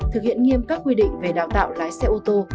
thực hiện nghiêm các quy định về đào tạo lái xe ô tô